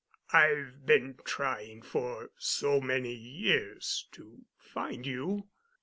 I've been trying for so many years to find you."